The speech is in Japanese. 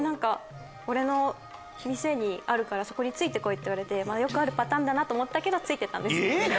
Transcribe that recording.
「俺の店あるからついて来い」って言われてよくあるパターンだと思ったけどついてったんです。